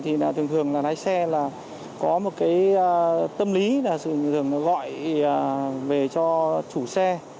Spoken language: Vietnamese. thường thường lái xe có tâm lý gọi về cho chủ xe